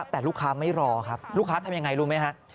แต่ลูกค้าไม่รอครับลูกค้าทำยังไงรู้ไหมฮะ